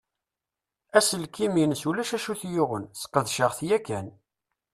Aselkim-ines ulac ayen t-yuɣen. Sqedceɣ-t yakan.